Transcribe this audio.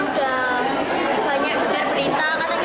di sekolah ya sering cuci tangan aja